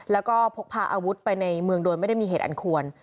แล้วก็พกพาอาวุธไปในเมืองโดยไม่ได้มีเหตุอันควร